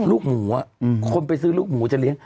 ลูกหมูคนไปซื้อลูกหมูจะเลี้ยง